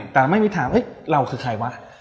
แต่ไม่มีถามเราคือใครวะ